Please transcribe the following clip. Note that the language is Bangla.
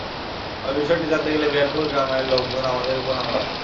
আমি বিষয়টি জানতে গেলে বিহারপুর গ্রামের লোকজন আমাদের ওপর হামলা চালায়।